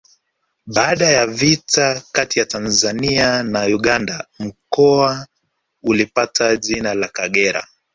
Baada ya vita kati ya Tanzania na Uganda mkoa ulipata jina la Kagera